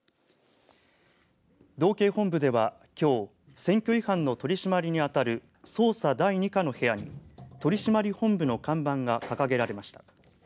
道警本部ではきょう選挙違反の取り締まりにあたる捜査第二課の部屋に取締本部の看板が掲げられました。